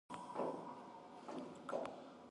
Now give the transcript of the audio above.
دا پروژه له اقتصاد سره مرسته کوي.